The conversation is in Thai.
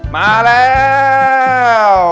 มาแล้ว